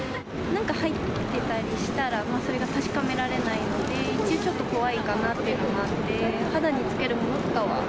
なんか入ってたりしたら、それが確かめられないので、ちょっと怖いかなっていうのがあって、肌につけるものとかは。